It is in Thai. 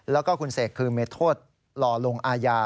แล้วก็คุณเสกคือมีโทษรอลงอาญา